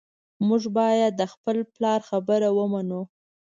موږ باید د خپل پلار خبره ومنو